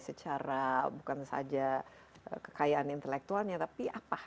secara bukan saja kekayaan intelektualnya tapi apa yang bisa kita lakukan